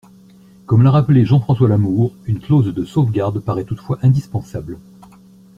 Comme l’a rappelé Jean-François Lamour, une clause de sauvegarde paraît toutefois indispensable.